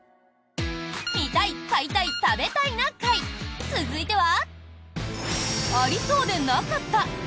「見たい買いたい食べたいな会」、続いては。